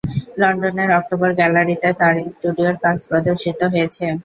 লন্ডনের October gallery তে তাঁর স্টুডিওর কাজ প্রদর্শিত হয়েছে।